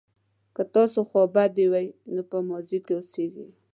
که تاسو خوابدي وئ نو په ماضي کې اوسیږئ.